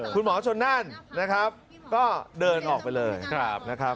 คุณหมอชนนั่นนะครับก็เดินออกไปเลยนะครับ